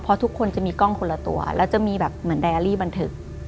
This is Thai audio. เพราะทุกคนจะมีกล้องคนละตัวแล้วจะมีแบบเหมือนไดอารี่บันทึก